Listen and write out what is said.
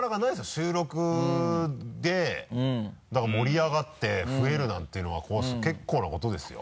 収録でだから盛り上がって増えるなんていうのは結構なことですよ。